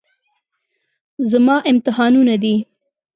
زما امتحانونه دي.